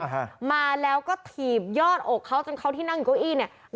ฮะมาแล้วก็ถีบยอดอกเขาจนเขาที่นั่งอยู่เก้าอี้เนี้ย